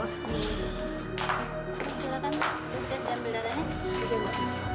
silahkan udah siap ambil darahnya